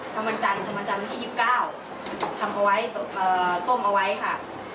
ทำวันจันทร์ทำวันจันทร์วันที่ยี่สิบเก้าทำเอาไว้เอ่อต้มเอาไว้ค่ะ